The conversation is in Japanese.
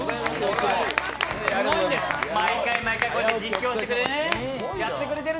すごいんです、毎回毎回こうやって実況してくれてる。